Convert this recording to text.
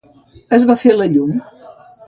Es va fer la llum.